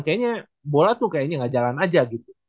kayaknya bola tuh kayaknya gak jalan aja gitu